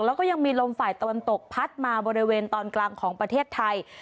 แล้วก็ยังมีลมฝ่ายตะวันตกพัดมาบริเวณตอนกลางของประเทศไทย